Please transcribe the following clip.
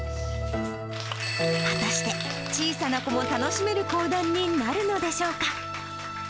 果たして、小さな子も楽しめる講談になるのでしょうか。